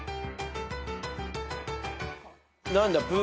何だ？